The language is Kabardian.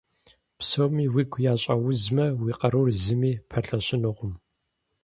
Псоми уигу ящӏэузмэ, уи къарур зыми пэлъэщынукъым.